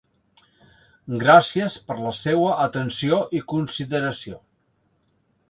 Gràcies per la seua atenció i consideració.